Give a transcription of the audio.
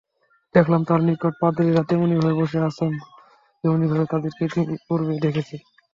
দেখলাম, তার নিকট পাদ্রীরা তেমনিভাবে বসে আছে যেমনিভাবে তাদেরকে ইতিপূর্বে দেখেছি।